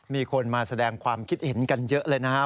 มีคนมาแสดงความคิดเห็นกันเยอะเลยนะฮะ